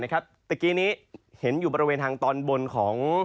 นะครับเดี๋ยวนี้เห็นอยู่บริเวณทางตอนบนของ